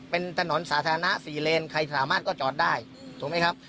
เป็นถนนสาธารณะ๔เลนใครสามารถก็จอดได้ถูกไหมครับ